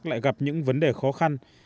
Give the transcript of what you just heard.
lại gặp những vấn đề khó khăn